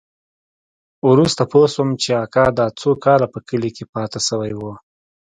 وروسته پوه سوم چې اکا دا څو کاله په کلي کښې پاته سوى و.